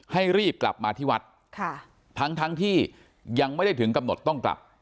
รีบกลับมาที่วัดทั้งทั้งที่ยังไม่ได้ถึงกำหนดต้องกลับ